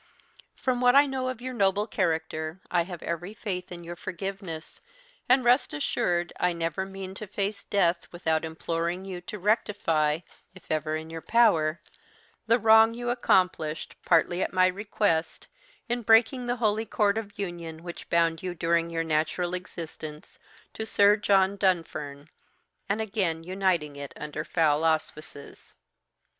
"From what I know of your noble character, I have every faith in your forgiveness, and rest assured, I never mean to face death without imploring you to rectify, if ever in your power, the wrong you accomplished, partly at my request, in breaking the holy cord of union which bound you during your natural existence to Sir John Dunfern, and again uniting it under foul auspices.